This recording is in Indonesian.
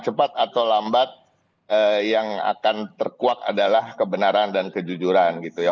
cepat atau lambat yang akan terkuak adalah kebenaran dan kejujuran gitu ya